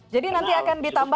jadi nanti akan ditambah